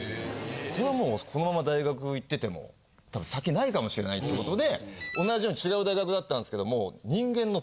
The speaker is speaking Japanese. これもうこのまま大学行ってても多分先ないかもしれないっていうことで同じように違う大学だったんですけども。